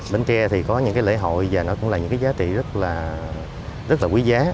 bến tre có những lễ hội và nó cũng là những giá trị rất là quý giá